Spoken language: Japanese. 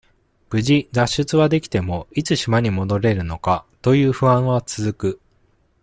無事、脱出はできても、いつ島に戻れるのか、という不安は続く。